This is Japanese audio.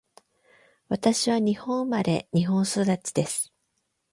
私は日本生まれ、日本育ちです。